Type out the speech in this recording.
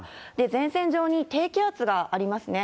前線上に低気圧がありますね。